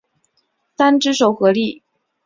三只手合力。